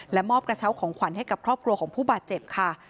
มอบกระเช้าของขวัญให้กับครอบครัวของผู้บาดเจ็บค่ะ